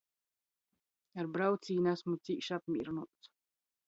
Ar braucīni asmu cīš apmīrynuots.